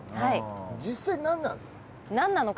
実際何なんですか？